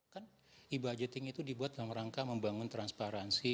kan e budgeting itu dibuat dalam rangka membangun transparansi